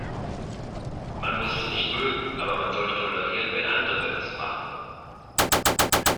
Man muss es nicht mögen, aber man sollte tolerieren, wenn andere es machen.